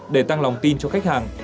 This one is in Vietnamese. để tăng lòng tin cho khách hàng